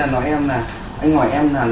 em xem một tí đúng không ạ